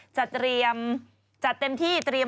จะเตรียมจัดเต็มที่